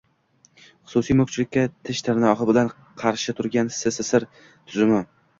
Xususiy mulkchilikka tish-tirnog‘i bilan qarshi turgan Sssr tuzumi